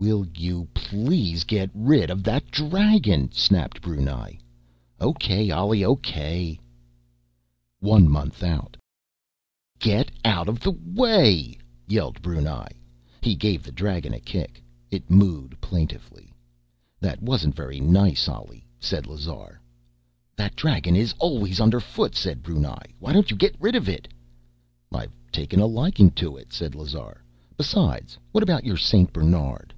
"Will you please get rid of that dragon?" snapped Brunei. "O.K., Ollie, O.K." One month out: "Get out of the way!" yelled Brunei. He gave the dragon a kick. It mooed plaintively. "That wasn't very nice, Ollie," said Lazar. "That dragon is always underfoot," said Brunei. "Why don't you get rid of it?" "I've taken a liking to it," said Lazar. "Besides, what about your Saint Bernard?"